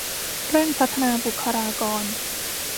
เร่งพัฒนาบุคลากร